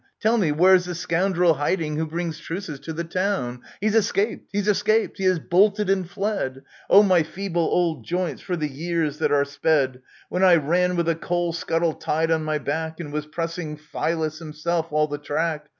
Tell me, where's the scoundrel hiding who brings truces to the town ? He's escaped ! He's escaped ! He has bolted and fled ! Oh, my feeble old joints, for the years that are sped, When I ran with a coal scuttle tied on my back, And was pressing Phayllus himself all the track